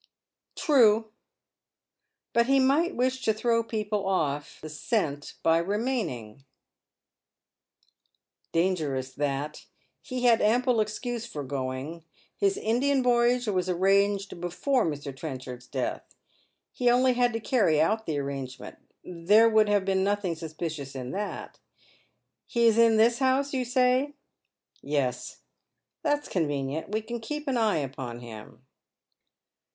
•■• True. But he might wish to tlirow people off the scent by remaining." 35& Dead Men's iS^otfc " Dangerous that. He had amplo excuse for g"OiTi^. Sift Indian voyage was arranged before Mr. Trenchard's death. He only had to cany out the aiTangement. There would have been nothing suspicious in that. He is in this house, you say ?"" Yes." *' That's convenient. We can keep an eye upon him."